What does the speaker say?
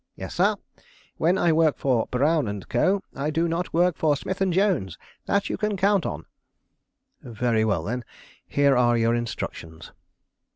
"Yes, sir. When I work for Brown & Co. I do not work for Smith & Jones. That you can count on." "Very well then, here are your instructions."